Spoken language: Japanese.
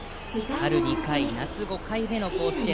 春２回、夏５回目の甲子園。